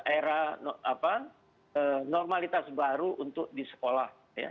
era apa normalitas baru untuk di sekolah ya